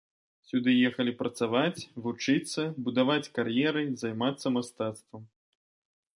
Сюды ехалі працаваць, вучыцца, будаваць кар'еры, займацца мастацтвам.